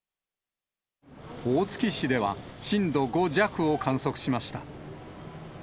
大月市では震度５弱を観測しました。